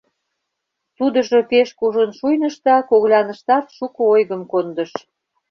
Тудыжо пеш кужун шуйныш да когыляныштат шуко ойгым кондыш.